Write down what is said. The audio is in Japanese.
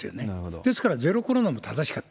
ですからゼロコロナも正しかった。